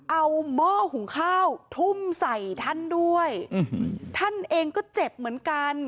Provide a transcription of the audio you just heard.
เอาหม้อหุงข้าวทุ่มใส่ท่านด้วยท่านเองก็เจ็บเหมือนกัน